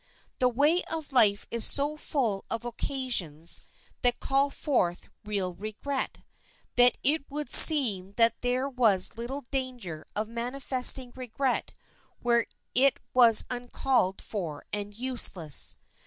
The way of life is so full of occasions that call forth real regret, that it would seem that there was little danger of manifesting regret where it was uncalled for and useless.